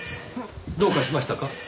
どうかしましたか？